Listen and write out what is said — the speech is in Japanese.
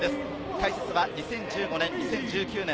解説は２０１５年・２０１９年